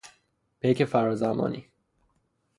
پیک فرا زمانی